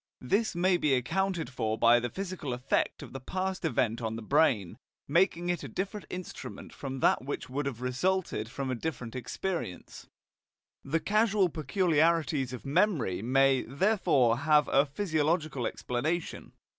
This may be accounted for by the physical effect of the past event on the brain, making it a different instrument from that which would have resulted from a different experience. The causal peculiarities of memory may, therefore, have a physiological explanation.